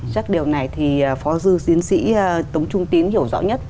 chắc điều này thì phó dư diễn sĩ tống trung tín hiểu rõ nhất